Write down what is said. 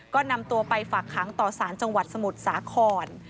ก็นำตัวไปฝากค้างต่อสารจังหวัดสมุทรสาคร